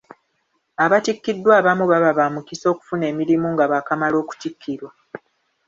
Abatikiddwa abamu baba ba mukisa okufuna emirimu nga baakamala okuttikirwa.